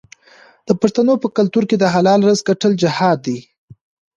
د پښتنو په کلتور کې د حلال رزق ګټل جهاد دی.